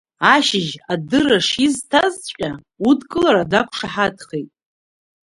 Ашьыжь адырра шисҭазҵәҟьа, удкылара дақәшаҳаҭхеит.